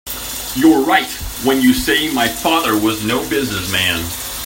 You're right when you say my father was no business man.